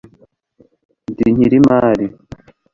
ndi nkiri mari